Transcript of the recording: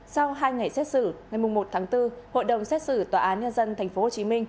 sau hai ngày xét xử ngày một tháng bốn hội đồng xét xử tòa án nhân dân tp hcm